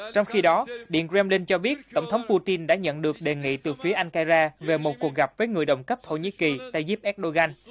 trong khi đó điện kremlin cho biết tổng thống putin đã nhận được đề nghị từ phía anh kara về một cuộc gặp với người đồng cấp thổ nhĩ kỳ tayyip erdogan